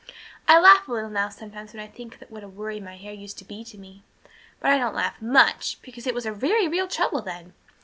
"I laugh a little now sometimes when I think what a worry my hair used to be to me but I don't laugh much, because it was a very real trouble then.